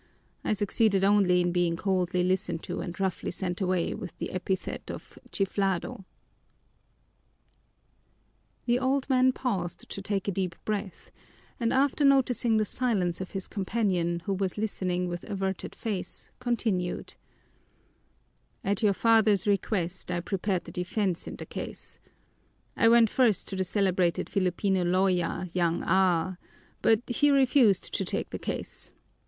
I succeeded only in being coldly listened to and roughly sent away with the epithet of chiflado." The old man paused to take a deep breath, and after noticing the silence of his companion, who was listening with averted face, continued: "At your father's request I prepared the defense in the case. I went first to the celebrated Filipino lawyer, young A , but he refused to take the case.